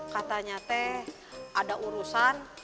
katanya teh ada urusan